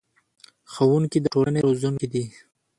ښوونکي د ټولنې روزونکي دي